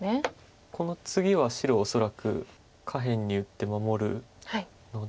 この次は白恐らく下辺に打って守るので。